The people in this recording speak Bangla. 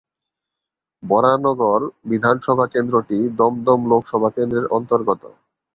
বরানগর বিধানসভা কেন্দ্রটি দমদম লোকসভা কেন্দ্রের অন্তর্গত।